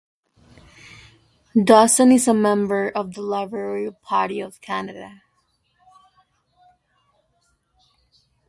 Dawson is a member of the Liberal Party of Canada.